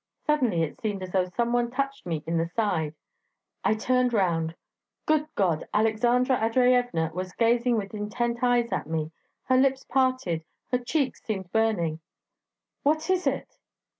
Suddenly it seemed as though some one touched me in the side; I turned round... Good God! Aleksandra Andreyevna was gazing with intent eyes at me ... her lips parted, her cheeks seemed burning. 'What is it?'